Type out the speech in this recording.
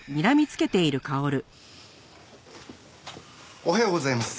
おはようございます。